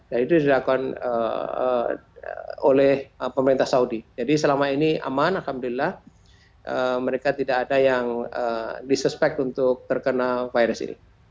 dan itu dilakukan oleh pemerintah saudi jadi selama ini aman alhamdulillah mereka tidak ada yang disuspek untuk terkena virus ini